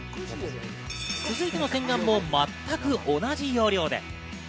続いての洗顔も全く同じ要領で。